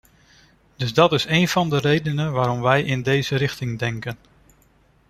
Dus dat is een van de redenen waarom wij in deze richting denken.